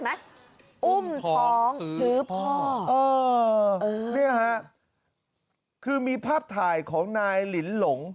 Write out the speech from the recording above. อุ้มท้องถือพ่อเออเนี่ยฮะคือมีภาพถ่ายของนายหลินหลง